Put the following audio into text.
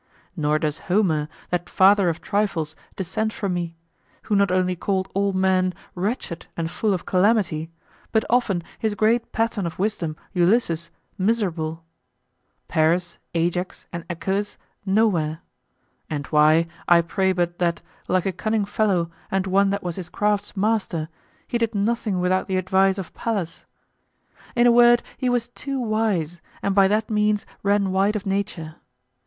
Nor does Homer, that father of trifles, dissent from me; who not only called all men "wretched and full of calamity," but often his great pattern of wisdom, Ulysses, "miserable;" Paris, Ajax, and Achilles nowhere. And why, I pray but that, like a cunning fellow and one that was his craft's master, he did nothing without the advice of Pallas? In a word he was too wise, and by that means ran wide of nature.